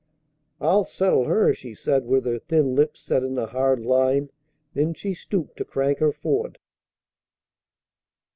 "I'll settle her!" she said with her thin lips set in a hard line. Then she stooped to crank her Ford.